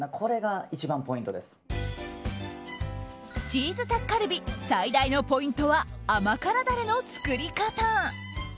チーズタッカルビ最大のポイントは甘辛ダレの作り方。